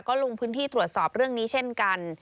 ก็ลงพื้นที่ตรวจสอบเรื่องนี้เช่นกัน